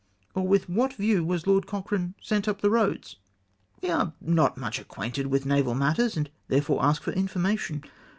Or with what view was Lord Cochrane sent up the Roads ? We are not much acquainted with naval matters, and therefore ask for information.